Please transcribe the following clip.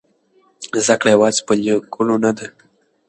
زده کړه یوازې په لیکلو نه ده.